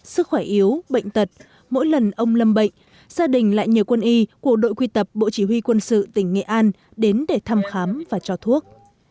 sức khỏe yếu bệnh tật mỗi lần ông lâm bệnh gia đình lại nhờ quân y của đội quy tập bộ chỉ huy quân sự tỉnh nghệ an đến để thăm khám và cho thuốc